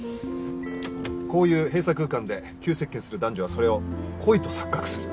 こういう閉鎖空間で急接近する男女はそれを恋と錯覚する。